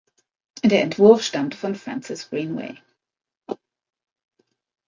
Der Entwurf stammte von Francis Greenway.